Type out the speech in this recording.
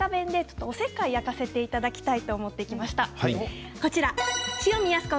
大阪弁でおせっかいを焼かせていただきたいと思ってやってきました。